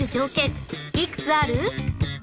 いくつある？